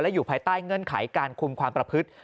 อยู่ภายใต้เงื่อนไขการคุมความประพฤติ